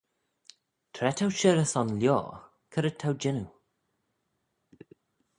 Tra t'ou shirrey son lioar, c'red t'ou jannoo?